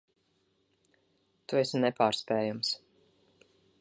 Tu esi nepārspējams.